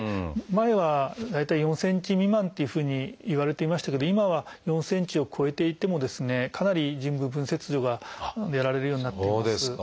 前は大体４ｃｍ未満っていうふうにいわれていましたけど今は４ｃｍを超えていてもですねかなり腎部分切除がやられるようになっています。